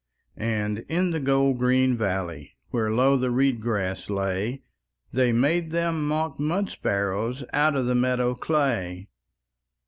And in the gold green valley, Where low the reed grass lay, They made them mock mud sparrows Out of the meadow clay.